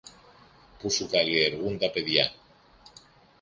που σου καλλιεργούν τα παιδιά.